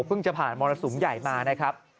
จะผ่านมรสุมใหญ่มานะครับ